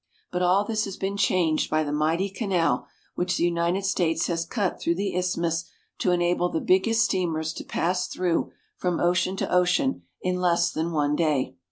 But all this has been changed by the mighty canal which the United States has cut through the isthmus to enable the biggest steamers to pass through from ocean to ocean in less than one day.